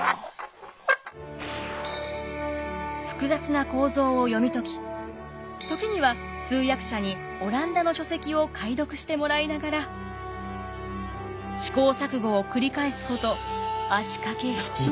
複雑な構造を読み解き時には通訳者にオランダの書籍を解読してもらいながら試行錯誤を繰り返すこと足かけ７年。